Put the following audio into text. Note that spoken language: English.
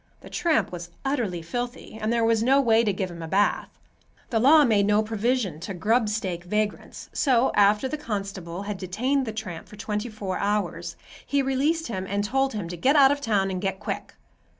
The tramp was utterly filthy and there was no way to give him a bath. The law made no provision to grub stake vagrants, so after the constable had detained the tramp for twentyfour hours, he released him and told him to "get out of town, and get quick."